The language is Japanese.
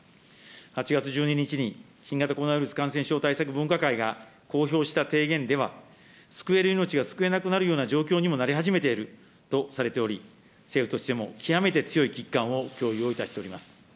８月１２日に新型コロナウイルス感染症対策分科会が公表した提言では、救える命が救えなくなるような状況にもなり始めているとされており、政府としても極めて強い危機感を共有をいたしております。